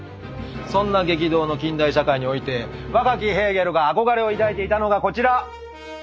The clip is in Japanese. そんな激動の近代社会において若きヘーゲルが憧れを抱いていたのがこちら。